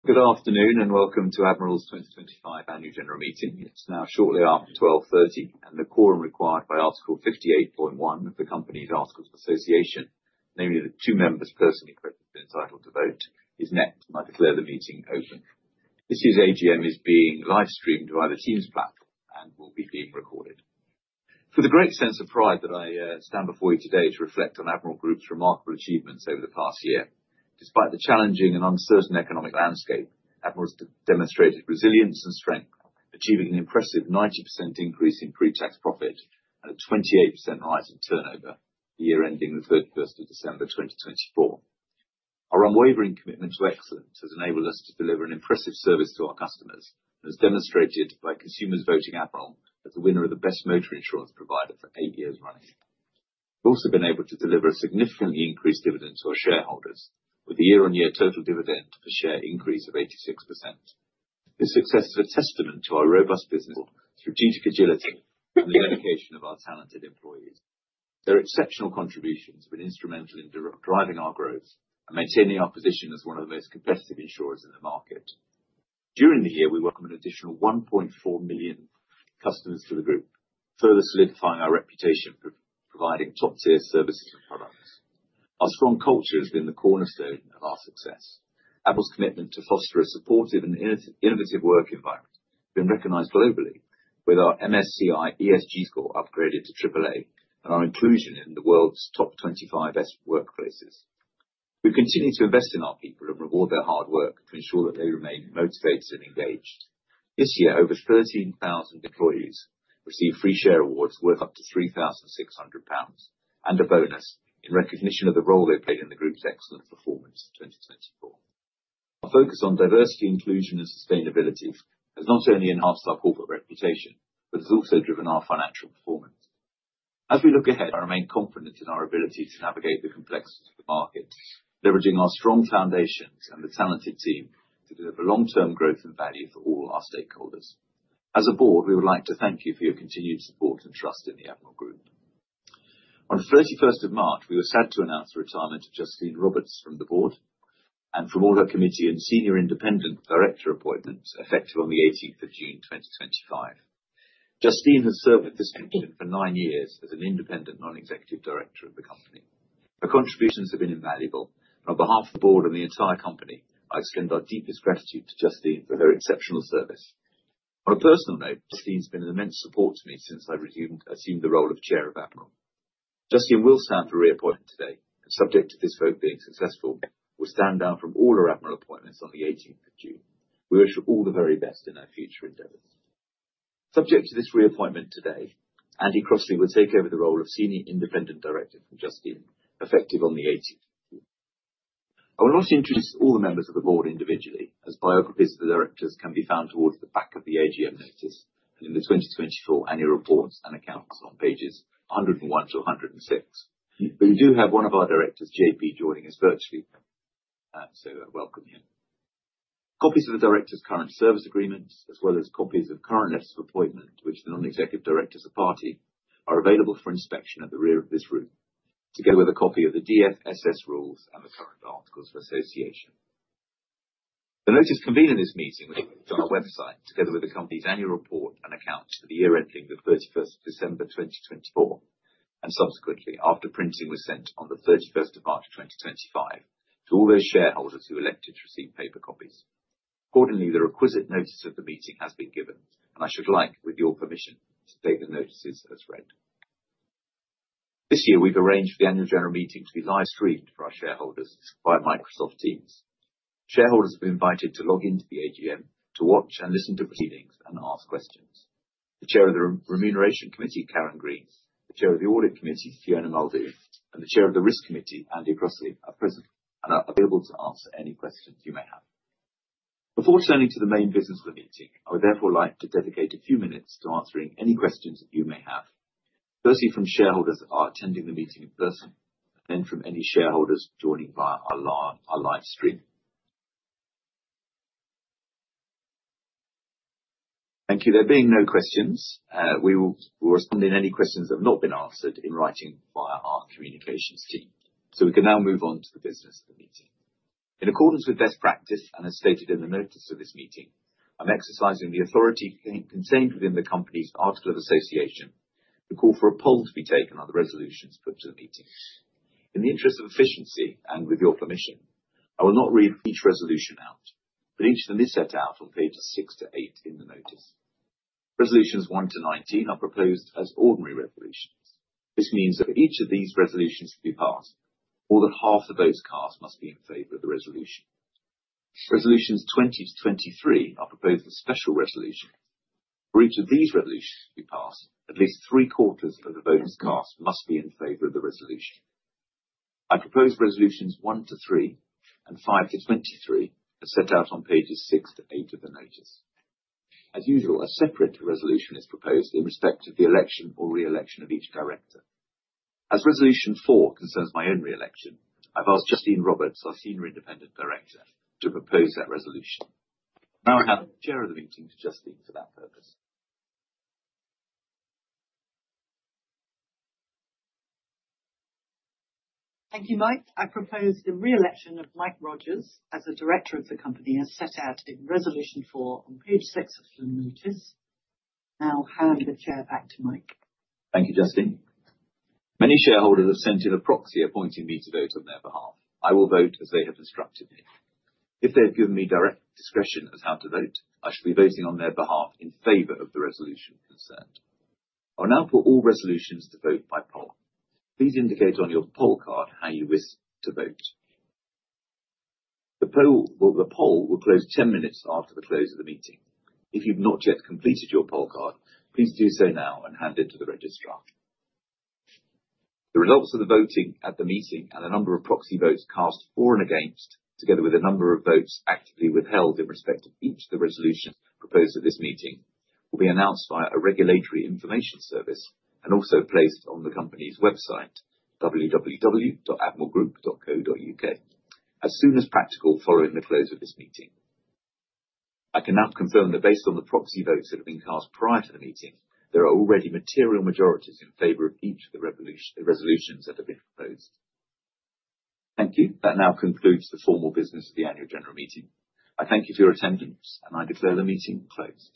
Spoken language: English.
Good afternoon and welcome to Admiral's 2025 Annual General Meeting. It's now shortly after 12:30 P.M., and the quorum required by Article 58.1 of the Company's Articles of Association, namely the two members personally elected to vote, is met, and I declare the meeting open. This AGM is being live-streamed via the Teams platform and will be being recorded. For the great sense of pride that I stand before you today to reflect on Admiral Group's remarkable achievements over the past year, despite the challenging and uncertain economic landscape, Admiral has demonstrated resilience and strength, achieving an impressive 90% increase in pre-tax profit and a 28% rise in turnover the year ending the 31st of December 2024. Our unwavering commitment to excellence has enabled us to deliver an impressive service to our customers and is demonstrated by consumers voting Admiral as the winner of the best motor insurance provider for eight years running. We've also been able to deliver a significantly increased dividend to our shareholders, with the year-on-year total dividend per share increase of 86%. This success is a testament to our robust business, strategic agility, and the dedication of our talented employees. Their exceptional contributions have been instrumental in driving our growth and maintaining our position as one of the most competitive insurers in the market. During the year, we welcomed an additional 1.4 million customers to the group, further solidifying our reputation for providing top-tier services and products. Our strong culture has been the cornerstone of our success. Admiral's commitment to foster a supportive and innovative work environment has been recognized globally, with our MSCI ESG score upgraded to AAA and our inclusion in the world's top 25 best workplaces. We continue to invest in our people and reward their hard work to ensure that they remain motivated and engaged. This year, over 13,000 employees received free share awards worth up to 3,600 pounds and a bonus in recognition of the role they played in the group's excellent performance in 2024. Our focus on diversity, inclusion, and sustainability has not only enhanced our corporate reputation but has also driven our financial performance. As we look ahead, I remain confident in our ability to navigate the complexities of the market, leveraging our strong foundations and the talented team to deliver long-term growth and value for all our stakeholders. As a board, we would like to thank you for your continued support and trust in the Admiral Group. On the 31st of March, we were sad to announce the retirement of Justine Roberts from the board and from all her committee and Senior Independent Director appointments effective on the 18th of June 2025. Justine has served at this position for nine years as an independent non-executive director of the company. Her contributions have been invaluable, and on behalf of the board and the entire company, I extend our deepest gratitude to Justine for her exceptional service. On a personal note, Justine has been an immense support to me since I assumed the role of Chair of Admiral. Justine will stand for reappointment today, and subject to this vote being successful, will stand down from all her Admiral appointments on the 18th of June. We wish her all the very best in her future endeavors. Subject to this reappointment today, Andy Crossley will take over the role of Senior Independent Director from Justine effective on the 18th of June. I will not introduce all the members of the board individually, as biographies of the directors can be found towards the back of the AGM notice and in the 2024 Annual Reports and Accounts on pages 101-106. We do have one of our directors, JP, joining us virtually, so welcome him. Copies of the directors' current service agreements, as well as copies of current letters of appointment, which the non-executive directors are part of, are available for inspection at the rear of this room, together with a copy of the DFSS rules and the current Articles of Association. The notice convened this meeting was placed on our website together with the company's Annual Report and Accounts for the year ending the 31st of December 2024 and subsequently, after printing, was sent on the 31st of March 2025 to all those shareholders who elected to receive paper copies. Accordingly, the requisite notice of the meeting has been given, and I should like, with your permission, to take the notices as read. This year, we've arranged for the Annual General Meeting to be live-streamed for our shareholders via Microsoft Teams. Shareholders have been invited to log into the AGM to watch and listen to proceedings and ask questions. The Chair of the Remuneration Committee, Karen Green, the Chair of the Audit Committee, Fiona Muldoon, and the Chair of the Risk Committee, Andy Crossley, are present and are available to answer any questions you may have. Before turning to the main business of the meeting, I would therefore like to dedicate a few minutes to answering any questions that you may have, firstly from shareholders attending the meeting in person, then from any shareholders joining via our live stream. Thank you. There being no questions, we will respond to any questions that have not been answered in writing via our communications team, so we can now move on to the business of the meeting. In accordance with best practice and as stated in the notice of this meeting, I'm exercising the authority contained within the company's Articles of Association to call for a poll to be taken on the resolutions put to the meeting. In the interest of efficiency and with your permission, I will not read each resolution out, but each of them is set out on pages 6-8 in the notice. Resolutions one to nineteen are proposed as ordinary resolutions. This means that for each of these resolutions to be passed, more than half the votes cast must be in favor of the resolution. Resolutions 20-23 are proposed as special resolutions. For each of these resolutions to be passed, at least three-quarters of the votes cast must be in favor of the resolution. I propose resolutions one to three and 5-23 as set out on pages 6-8 of the notice. As usual, a separate resolution is proposed in respect of the election or re-election of each director. As resolution four concerns my own re-election, I've asked Justine Roberts, our Senior Independent Director, to propose that resolution. Now I hand the chair of the meeting to Justine for that purpose. Thank you, Mike. I propose the re-election of Mike Rogers as the director of the company as set out in resolution four on page six of the notice. Now I'll hand the chair back to Mike. Thank you, Justine. Many shareholders have sent in a proxy appointing me to vote on their behalf. I will vote as they have instructed me. If they have given me direct discretion as how to vote, I shall be voting on their behalf in favor of the resolution concerned. I will now put all resolutions to vote by poll. Please indicate on your poll card how you wish to vote. The poll will close ten minutes after the close of the meeting. If you've not yet completed your poll card, please do so now and hand it to the registrar. The results of the voting at the meeting and the number of proxy votes cast for and against, together with the number of votes actively withheld in respect of each of the resolutions proposed at this meeting, will be announced via a regulatory information service and also placed on the company's website, www.admiralgroup.co.uk, as soon as practical following the close of this meeting. I can now confirm that based on the proxy votes that have been cast prior to the meeting, there are already material majorities in favor of each of the resolutions that have been proposed. Thank you. That now concludes the formal business of the Annual General Meeting. I thank you for your attendance, and I declare the meeting closed.